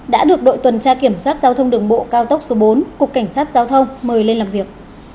đã được đội tuần tra kiểm soát giao thông đường bộ cao tốc số bốn cục cảnh sát giao thông mời lên làm việc